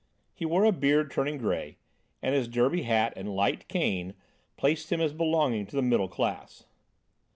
He wore a beard turning grey and his derby hat and light cane placed him as belonging to the middle class.